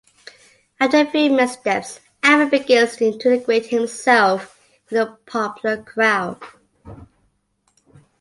After a few missteps, Alvin begins to integrate himself with the popular crowd.